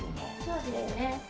そうですね。